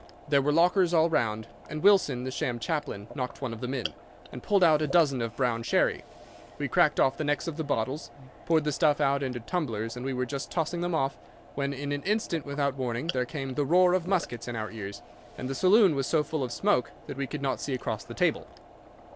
There were lockers all round, and Wilson, the sham chaplain, knocked one of them in, and pulled out a dozen of brown sherry. We cracked off the necks of the bottles, poured the stuff out into tumblers, and were just tossing them off, when in an instant without warning there came the roar of muskets in our ears, and the saloon was so full of smoke that we could not see across the table.